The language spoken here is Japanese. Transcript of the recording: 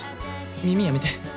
耳やめて。